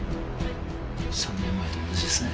３年前と同じですね。